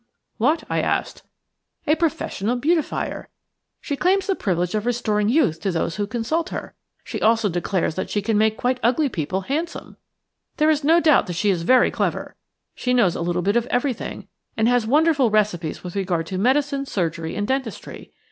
"What?" I asked. "A professional beautifier. She claims the privilege of restoring youth to those who consult her. She also declares that she can make quite ugly people handsome. There is no doubt that she is very clever. She knows a little bit of everything, and has wonderful recipes with regard to medicines, surgery, and dentistry.